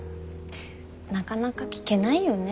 なかなか聞けないよね